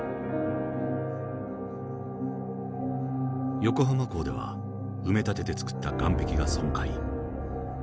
横浜港では埋め立てて造った岸壁が損壊。